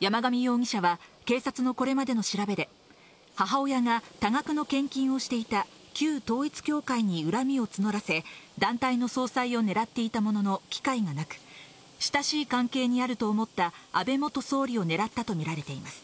山上容疑者は警察のこれまでの調べで、母親が多額の献金をしていた旧統一教会に恨みを募らせ、団体の総裁を狙っていたものの、機会がなく、親しい関係にあると思った安倍元総理を狙ったとみられています。